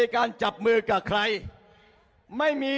ถามเพื่อให้แน่ใจ